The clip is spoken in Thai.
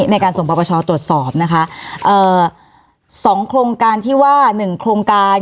ในการส่งปปชตรวจสอบนะคะเอ่อสองโครงการที่ว่าหนึ่งโครงการ